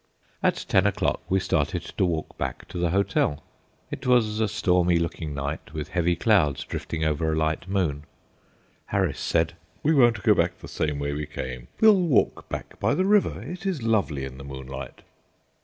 At ten o'clock we started to walk back to the hotel. It was a stormy looking night, with heavy clouds drifting over a light moon. Harris said: "We won't go back the same way we came; we'll walk back by the river. It is lovely in the moonlight."